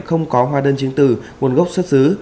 không có hoa đơn chính tử nguồn gốc xuất xứ